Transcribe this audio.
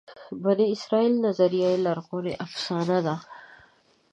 بني اسرائیلیت نظریه لرغونې افسانه ده.